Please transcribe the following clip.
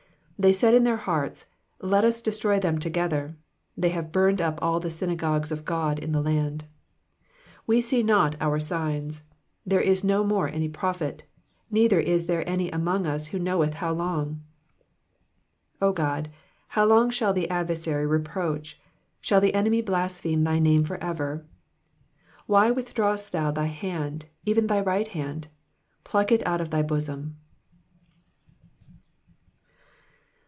8 They said in their hearts. Let us destroy them together : they have burned up all the synagogues of God in the land. 9 We see not our signs : there is no more any prophet : neither is there among us any that knoweth how long. ID O God, how long shall the adversary reproach ? shall the enemy blaspheme thy name for ever ? II Why withdrawest thou thy hand, even thy right hand? pluck it out of thy bosom.